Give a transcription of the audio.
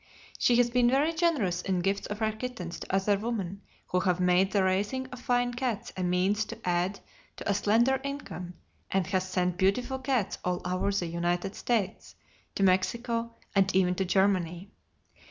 She has been very generous in gifts of her kittens to other women who have made the raising of fine cats a means to add to a slender income, and has sent beautiful cats all over the United States, to Mexico, and even to Germany.